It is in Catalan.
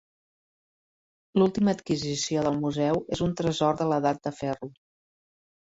L'última adquisició del museu és un tresor de l'Edat de Ferro.